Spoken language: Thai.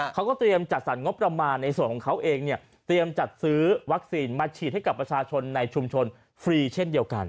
เขาก็เตรียมจัดสรรงบประมาณในส่วนของเขาเองเนี่ยเตรียมจัดซื้อวัคซีนมาฉีดให้กับประชาชนในชุมชนฟรีเช่นเดียวกัน